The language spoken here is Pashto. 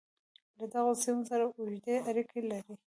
له دغو سیمو سره اوږدې اړیکې لرلې.